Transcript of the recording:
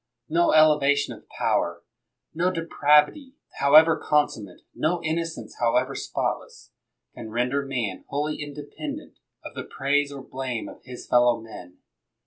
No elevation of power, no depravity however consummate, no innocence however spot less, can render man wholly independent of the praise or blame of his fellow men.